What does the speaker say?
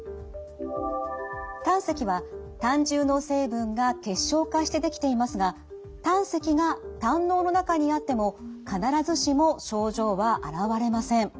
胆石は胆汁の成分が結晶化してできていますが胆石が胆のうの中にあっても必ずしも症状は現れません。